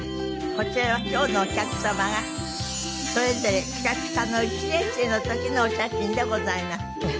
こちらは今日のお客様がそれぞれピカピカの１年生の時のお写真でございます。